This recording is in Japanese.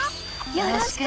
よろしく！